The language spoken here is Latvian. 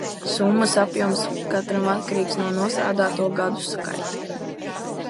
Summas apjoms katram atkarīgs no nostrādāto gadu skaita.